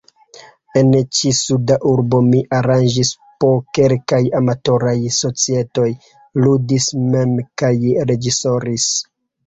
En ĉiu suda urbo mi aranĝis po kelkaj amatoraj societoj, ludis mem kaj reĝisoris.